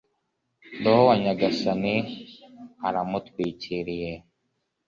roho wa nyagasani aramutwikiriye